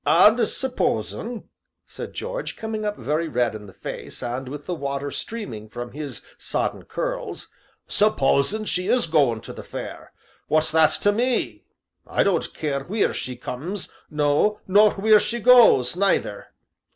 "And supposin'," said George, coming up very red in the face, and with the water streaming from his sodden curls, "supposin' she is goin' to the Fair, what's that to me? I don't care wheer she comes, no, nor wheer she goes, neither!"